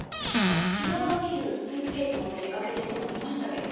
昨日のお昼スーツケース持って出かけていくの見ましたけど。